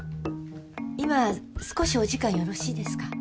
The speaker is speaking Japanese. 今少しお時間よろしいですか？